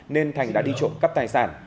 nên thành đã đi trộm cắp tài sản